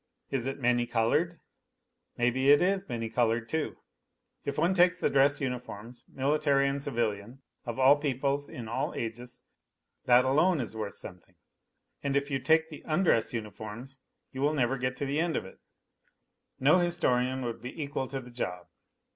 Is it many coloured ? May be it is many coloured, too : if one takes the dress uniforms, military and civilian, of all peoples in all ages that alone is worth some thing, and if you take the undress uniforms you will never get to the end of it ; no historian would be equal to the job.